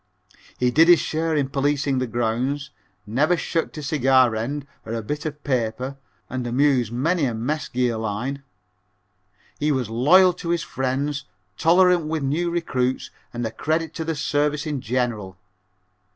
He did his share in policing the grounds, never shirked a cigar end or a bit of paper and amused many a mess gear line. He was loyal to his friends, tolerant with new recruits and a credit to the service in general.